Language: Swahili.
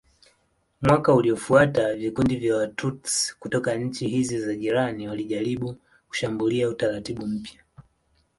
Mwaka uliofuata vikundi vya Watutsi kutoka nchi hizi za jirani walijaribu kushambulia utaratibu mpya.